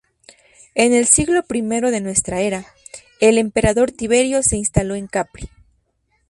En el siglo I de nuestra era, el emperador Tiberio se instaló en Capri.